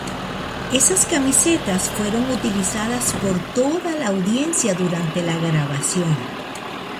Esas camisetas fueron utilizadas por toda la audiencia durante la grabación.